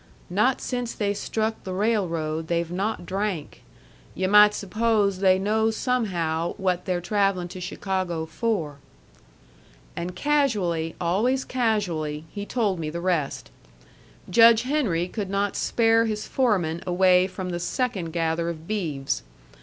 "Not since they struck the railroad they've not drank. Yu' might suppose they know somehow what they're travellin' to Chicago for." And casually, always casually, he told me the rest. Judge Henry could not spare his foreman away from the second gather of beeves.